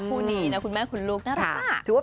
คู่นี้นะคุณแม่คุณลูกน่ารักมาก